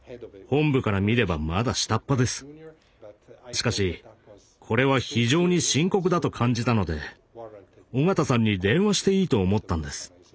しかしこれは非常に深刻だと感じたので緒方さんに電話していいと思ったんです。